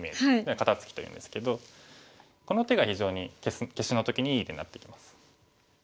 肩ツキというんですけどこの手が非常に消しの時にいい手になってきます。